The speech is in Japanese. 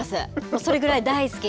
それぐらい大好き。